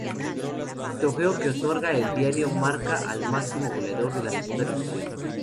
Trofeo que otorga el Diario Marca al máximo goleador de la Segunda División.